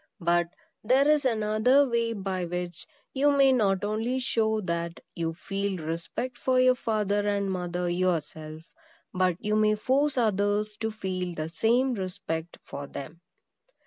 But there is another way by which you may not only show that you feel respect for your father and mother yourself, but you may force others to feel the same respect for them.